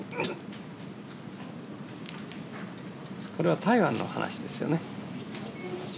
これは台湾のお話ですよね。